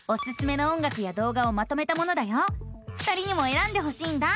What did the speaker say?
２人にもえらんでほしいんだ。